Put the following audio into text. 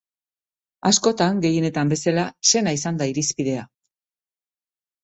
Askotan, gehienetan bezala, sena izan da irizpidea.